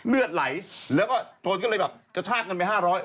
เลือดไหลแล้วก็โทษก็เลยแบบจะชากกันไป๕๐๐บาท